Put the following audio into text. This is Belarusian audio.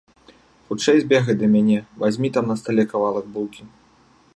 Хутчэй збегай да мяне, вазьмі там на стале кавалак булкі.